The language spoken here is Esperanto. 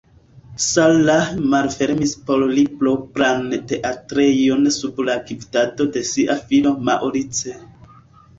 Sarah malfermis por li propran teatrejon sub la gvidado de sia filo Maurice.